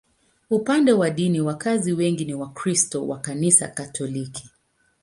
Upande wa dini, wakazi wengi ni Wakristo wa Kanisa Katoliki.